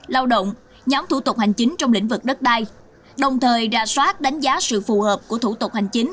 lao động nhóm thủ tục hành chính trong lĩnh vực đất đai đồng thời ra soát đánh giá sự phù hợp của thủ tục hành chính